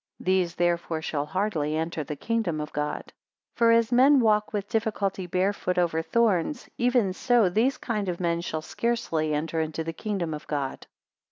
These therefore shall hardly enter the kingdom of God. 190 For as men walk with difficulty bare foot over thorns, even so these kind of men shall scarcely enter into the kingdom of God.